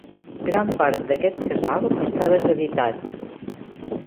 Gran part d'aquest casal està deshabitat.